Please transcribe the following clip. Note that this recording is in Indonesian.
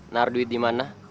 nah duit dimana